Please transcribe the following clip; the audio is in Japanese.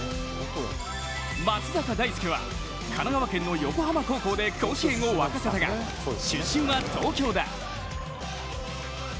松坂大輔は神奈川県の横浜高校で甲子園を沸かせたが出身は東京だ。